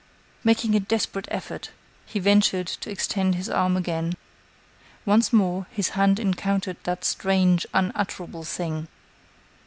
Making a desperate effort, he ventured to extend his arm again. Once more, his hand encountered that strange, unutterable thing.